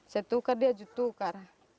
saya tukar dia juga tukar